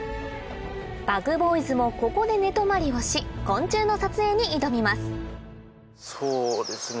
ＢｕｇＢｏｙｓもここで寝泊まりをし昆虫の撮影に挑みますそうですね